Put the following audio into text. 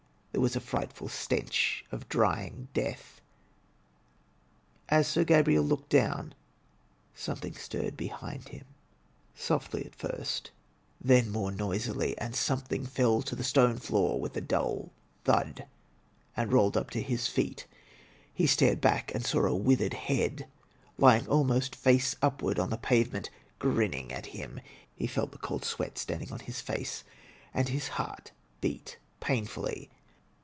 There was a frightful stench of dr3dng death. As Sir Gabrid looked down, something stirred behind him, softly 34 THE TECHNIQUE OF THE MYSTERY STORY at first, then more noisily, and something fell to the stone floor with a dull thud and rolled up to his feet; he started back and saw a withered head lying almost face upward on the pavement, grinning at him. He felt the cold sweat standing on his face, and his heart beat painfully.